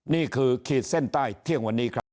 ขีดเส้นใต้เที่ยงวันนี้ครับ